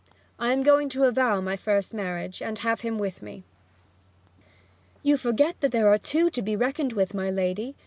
I am going to avow my first marriage, and have him with me.' 'You forget that there are two to be reckoned with, my lady.